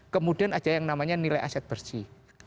kemudian aja yang namanya nilai aset bersih